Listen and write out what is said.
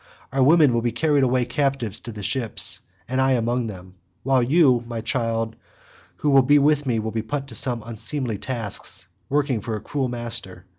Our women will be carried away captives to the ships, and I among them; while you, my child, who will be with me will be put to some unseemly tasks, working for a cruel master.